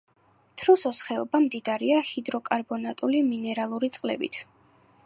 თრუსოს ხეობა მდიდარია ჰიდროკარბონატული მინერალური წყლებით.